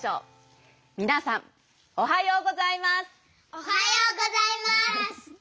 おはようございます！